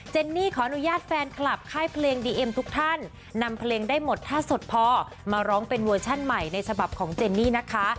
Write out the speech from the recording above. นี่ขออนุญาตแฟนคลับค่ายเพลงดีเอ็มทุกท่านนำเพลงได้หมดถ้าสดพอมาร้องเป็นเวอร์ชั่นใหม่ในฉบับของเจนนี่นะคะ